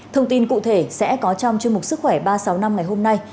thông tin cụ thể sẽ có trong chương mục sức khỏe ba trăm sáu mươi năm ngày hôm nay